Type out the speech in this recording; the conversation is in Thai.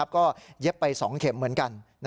ก็เย็บไป๒เข็มเหมือนกัน